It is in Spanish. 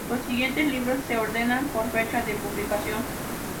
Los siguientes libros se ordenan por fecha de publicación.